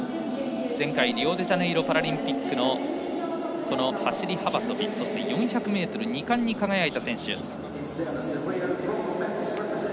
前回のリオデジャネイロパラリンピック走り幅跳び、そして４００ｍと２冠に輝いた選手。